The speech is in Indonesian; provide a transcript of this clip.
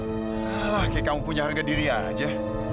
alah kayak kamu punya harga diri aja